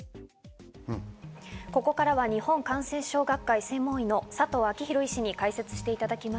ここからは日本感染症学会専門医の佐藤昭裕医師に解説していただきます。